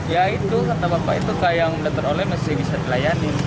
ya itu kata bapak itu kayak yang udah teroleh masih bisa dilayani